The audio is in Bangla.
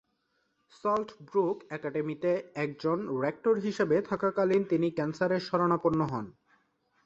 সল্ট ব্রুক একাডেমিতে একজন রেক্টর হিসাবে থাকাকালীন তিনি ক্যান্সার এর শরণাপন্ন হন।